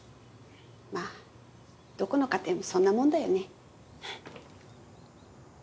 まっどこの家庭もそんなもんだよね。